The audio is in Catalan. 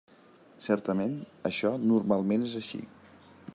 Certament això normalment és així.